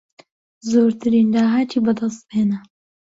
زۆرترین داهاتی بەدەستهێنا